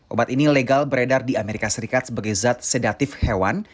obat ini legal beredar di amerika serikat sebagai zat sedatif hewan